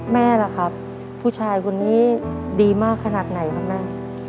แม่ล่ะครับผู้ชายคนนี้ดีมากขนาดไหนครับแม่